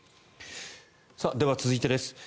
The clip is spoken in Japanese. では、続いてです。